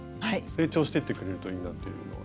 成長していってくれるといいなっていうのは。